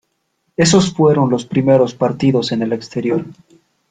Esos fueron los primeros partidos en el exterior.